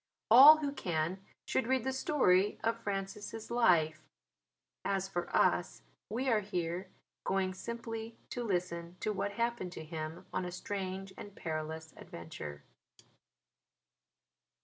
All who can should read the story of Francis' life: as for us we are here going simply to listen to what happened to him on a strange and perilous adventure.